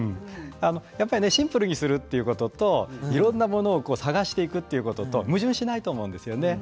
シンプルにするということといろいろなものを探していくことは矛盾しないと思うんですね。